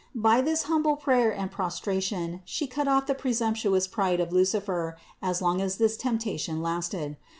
By this humble prayer and prostra tion She cut off the presumptuous pride of Lucifer as long as this temptation lasted.